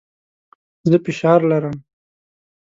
زه فشار لرم.